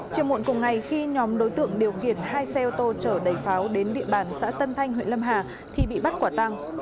chiều muộn cùng ngày khi nhóm đối tượng điều khiển hai xe ô tô chở đầy pháo đến địa bàn xã tân thanh huyện lâm hà thì bị bắt quả tăng